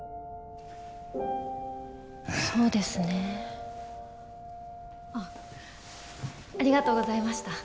そうですねあっありがとうございました